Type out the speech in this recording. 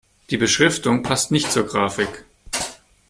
Die Beschriftung passt nicht zur Grafik.